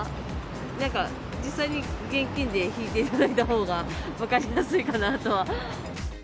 なんか実際に、現金で引いていただいたほうが、分かりやすいかなとは。